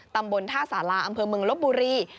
ตำบลท่าสาราอำเภอเมืองลบบุรี